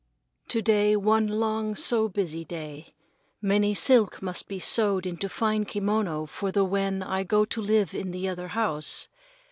To day one long so busy day. Many silk must be sewed into fine kimono for the when I go to live in other house.